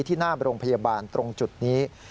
ที่หน้าโรงพยาบาลตรงจุดนี้